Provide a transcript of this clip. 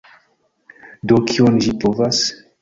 Do kion ĝi pruvas?